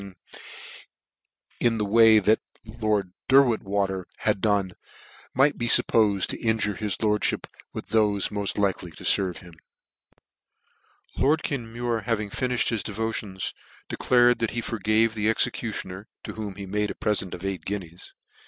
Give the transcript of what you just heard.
199 ing in the way that lord Derwentwater had done, might be fuppofed to injure his lordfhip with thole mod likely to ferve him. Lord Kenmure having nnifhed his devotions, de clared that he forgave the executioner, to whom he made a pre/ent of eight guineas.